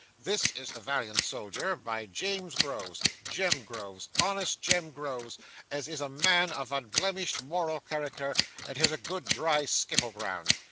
This is the Valiant Soldier, by James Groves Jem Groves honest Jem Groves, as is a man of unblemished moral character, and has a good dry skittle ground.